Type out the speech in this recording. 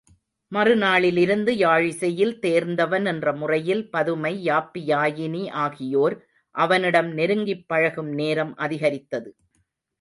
மறு நாளிலிருந்து யாழிசையில் தேர்ந்தவன் என்ற முறையில் பதுமை, யாப்பியாயினி ஆகியோர் அவனிடம் நெருங்கிப் பழகும்நேரம் அதிகரித்தது.